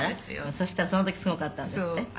「そしたらその時すごかったんですって？」